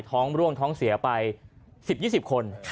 ท้องร่วงท้องเสียไป๑๐๒๐คน